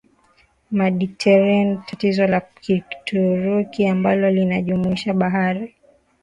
Mediterranean Tatizo la Kituruki ambalo linajumuisha Bahari